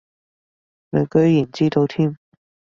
你居然知道添